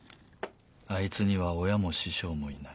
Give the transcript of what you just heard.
あいつには親も師匠もいない。